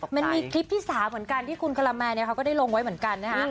มันมีคลิปที่๓เหมือนกันที่คุณคาราแมนเขาก็ได้ลงไว้เหมือนกันนะฮะ